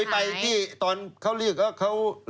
ไปตามหาคนหาย